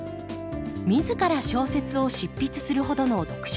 自ら小説を執筆するほどの読書家